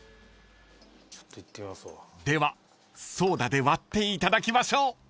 ［ではソーダで割っていただきましょう］